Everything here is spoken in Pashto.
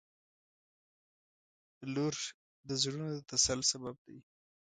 • لور د زړونو د تسل سبب دی.